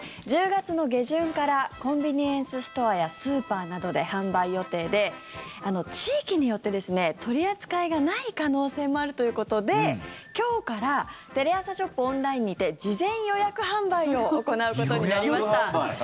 １０月の下旬からコンビニエンスストアやスーパーなどで販売予定で地域によって取り扱いがない可能性もあるということで今日からテレアサショップオンラインにて事前予約販売を行うことになりました。